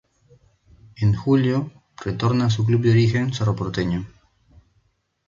En julio, retorna a su club de origen, Cerro Porteño.